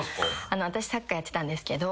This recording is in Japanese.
私サッカーやってたんですけど。